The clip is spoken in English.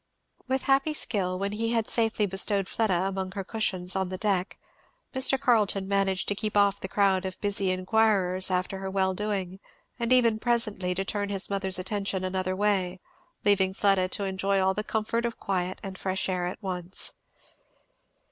With happy skill, when he had safely bestowed Fleda among her cushions on deck, Mr. Carleton managed to keep off the crowd of busy inquirers after her well doing, and even presently to turn his mother's attention another way, leaving Fleda to enjoy all the comfort of quiet and fresh air at once.